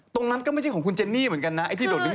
ตรงนั้นก็ไม่ใช่ของคุณเจนนี่เหมือนกันนะไอ้ที่โดดลึก